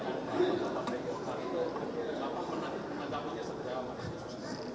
keinginan pemerintah bahwa presiden jokowi itu akhir